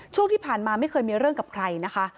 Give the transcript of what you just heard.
ช่วงที่ผ่านมาไม่เคยมีเรื่องกับใครนะคะ